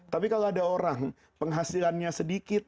tapi kalau ada orang penghasilannya sedikit